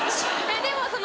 でもその。